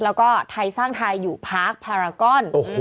แล้วก็ไทยสร้างไทยอยู่พารกอน